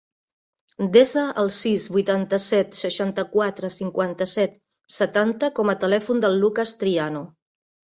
Desa el sis, vuitanta-set, seixanta-quatre, cinquanta-set, setanta com a telèfon del Lukas Triano.